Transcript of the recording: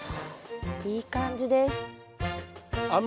いい感じです。